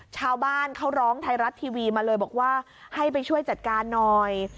ชาวบ้านเขาร้องไทยรัฐทีวีมาเลยบอกว่าให้ไปช่วยจัดการหน่อย